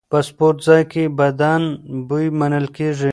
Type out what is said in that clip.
په سپورتځای کې بدن بوی منل کېږي.